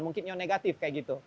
mungkin yang negatif kayak gitu